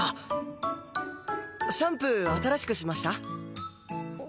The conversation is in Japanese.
シャンプー新しくしました？